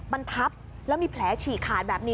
มันทับแล้วมีแผลฉีกขาดแบบนี้